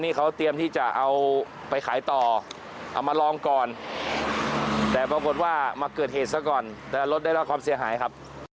แต่รถได้รอบความเสียหายครับ